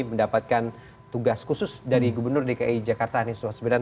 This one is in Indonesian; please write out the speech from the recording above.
mendapatkan tugas khusus dari gubernur dki jakarta anies wasbedan